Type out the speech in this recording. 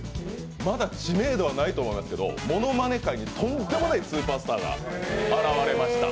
まだ知名度はないと思いますけど、ものまね界でものすごいスーパースターが現れました。